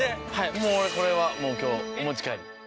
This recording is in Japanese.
もう俺これはもう今日お持ち帰り。